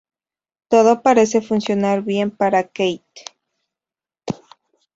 Todo parece funcionar bien para Kate.